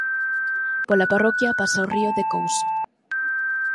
Pola parroquia pasa o río de Couso.